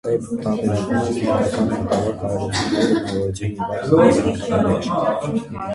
Տարբերակում են ֆիզիկական, մտավոր կարողությունների, բնավորության և այլ ինքնագնահատականներ։